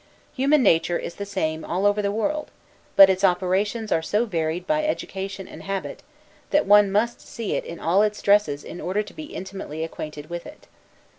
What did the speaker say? Human nature is the same all over the world; but its operations are so varied by education and habit, that one must see it in all its dresses in order to be intimately acquainted with it.